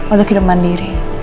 untuk hidup mandiri